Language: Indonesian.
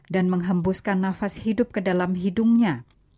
dan mengembuskan nafas hidup ke dalam hidungnya